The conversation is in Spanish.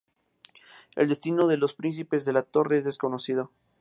El destino de los ""Príncipes de la Torre"" es desconocido.